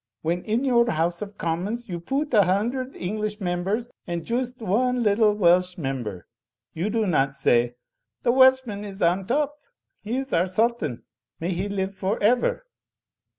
When in your House of Commons you put a himdred English members and joost one little Welsh member, you do not say The Welshman is on top; he is our Sultan; may he live for ever!'